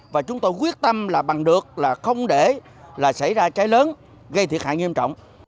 và chúng tôi quyết tâm là bằng được là không để xảy ra cháy lớn gây thiệt hại nghiêm trọng